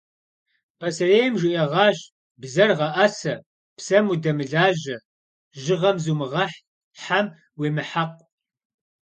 Пасэрейм жиӏэгъащ: бзэр гъэӏэсэ, псэм удэмылажьэ, жьыгъэм зумыгъэхь, хьэм уемыхьэкъу.